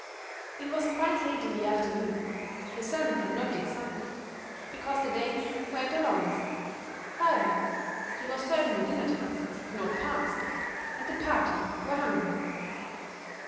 It was quite late in the afternoon; the sun had not yet sunk, because the days were at their longest; however, it was certainly dinner time, if not past, and the party were hungry.